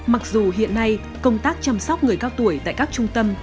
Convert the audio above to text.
mặc dù hiện nay công tác chăm sóc người cao tuổi tại các trung tâm